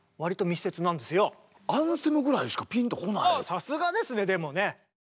さすがですねでもね。